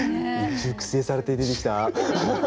熟成されて出てきた。